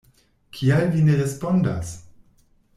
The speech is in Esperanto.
Kial vi ne respondas?